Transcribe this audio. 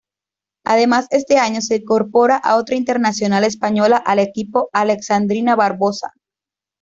Además este año se incorpora otra internacional española al equipo, Alexandrina Barbosa.